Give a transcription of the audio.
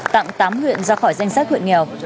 tặng tám huyện ra khỏi danh sách huyện nghèo